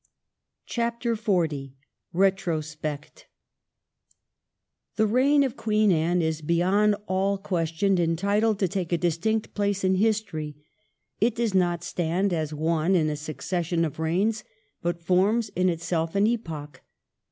tL. CHAPTER XL RETROSPECT The reign of Queen Anne is beyond all question en titled to take a distinct place in history. It does not stand as one in a succession of reigns, but forms in itself an epoch.